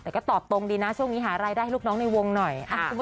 แต่ก็ตอบตรงดีนะช่วงนี้หารายได้ให้ลูกน้องในวงหน่อย